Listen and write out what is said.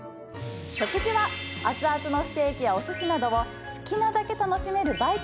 食事は熱々のステーキやお寿司などを好きなだけ楽しめるバイキング形式。